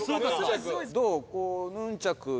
どう？